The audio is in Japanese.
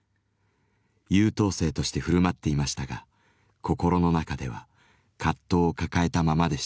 優等生として振る舞っていましたが心の中では葛藤を抱えたままでした。